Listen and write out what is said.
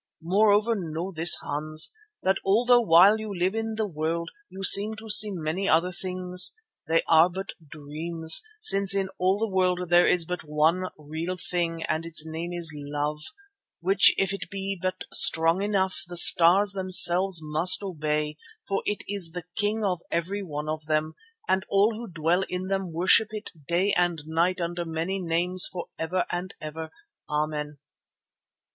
Moreover, know this, Hans, that though while you live in the world you seem to see many other things, they are but dreams, since in all the world there is but one real thing, and its name is Love, which if it be but strong enough, the stars themselves must obey, for it is the king of every one of them, and all who dwell in them worship it day and night under many names for ever and for ever, Amen.